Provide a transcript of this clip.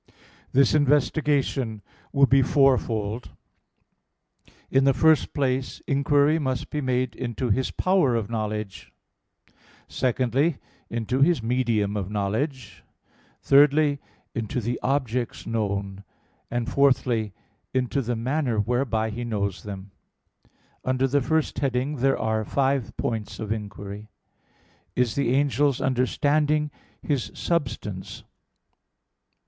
This investigation will be fourfold. In the first place inquiry must be made into his power of knowledge: secondly, into his medium of knowledge: thirdly, into the objects known: and fourthly, into the manner whereby he knows them. Under the first heading there are five points of inquiry: (1) Is the angel's understanding his substance?